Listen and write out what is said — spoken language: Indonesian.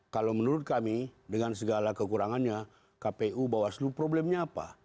kalau menurut kami dengan segala kekurangannya kpu bawaslu problemnya apa